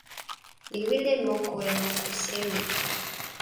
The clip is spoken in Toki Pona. mi wile moku e moku sewi.